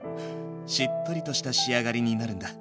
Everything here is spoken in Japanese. しっとりとした仕上がりになるんだ。